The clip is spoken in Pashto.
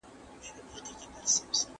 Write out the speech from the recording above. هغه څوک چي نان خوري قوي وي!